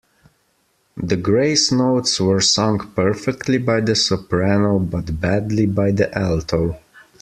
The grace notes were sung perfectly by the soprano, but badly by the alto